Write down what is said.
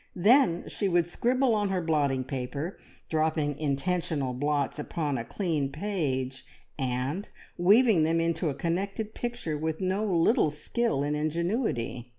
Then she would scribble on her blotting paper, dropping intentional blots upon a clean page, and weaving them into a connected picture with no little skill and ingenuity.